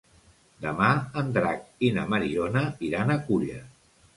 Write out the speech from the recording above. Demà en Drac i na Mariona iran a Culla.